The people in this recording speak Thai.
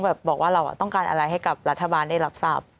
บอกว่าเราต้องการอะไรให้กับรัฐบาลได้รับทราบ